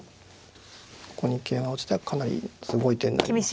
ここに桂馬を打つ手はかなりすごい手になります。